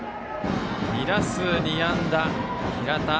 ２打数２安打の平田。